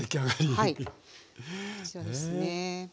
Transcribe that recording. そうですね。